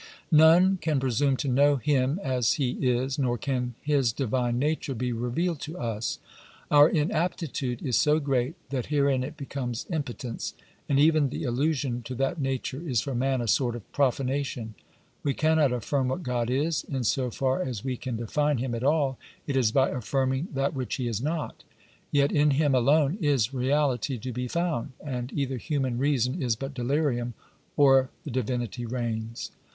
^ None can presume to know Him as He is, nor can His divine nature be revealed to us.^ Our inaptitude is so great that herein it becomes impotence, and even the allusion to that nature is for man a sort of profanation. We cannot affirm what God is ; in so far as we can define Him at all, it is by affirming that which He is not. Yet in Him alone is reality to be found, ^ and either human reason is but delirium or the Divinity reigns.